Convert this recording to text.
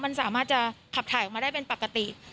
มันสามารถจะขับถ่ายออกมาได้เป็นปกติ